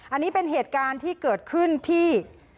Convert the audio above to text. อันนี้เป็นเหตุการณ์ที่เกิดขึ้นที่